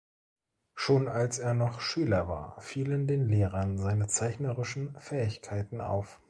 Schon als er noch Schüler war, fielen den Lehrern seine zeichnerischen Fähigkeiten auf.